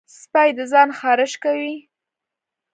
سپي د ځان خارش کوي.